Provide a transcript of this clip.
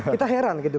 kita heran gitu